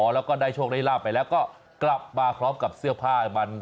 แล้วก็ได้โชคได้ลาบไปแล้วก็กลับมาพร้อมกับเสื้อผ้ามัน